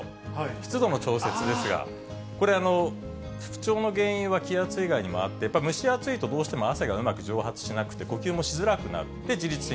湿度の調節ですが、これ、不調の原因は気圧、意外にもあって、やっぱり蒸し暑いとどうしても汗がうまく蒸発しなくて、呼吸もしづらくなる。